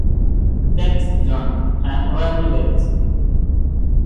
Confessional terms for this kind of language are such as gender-inclusive.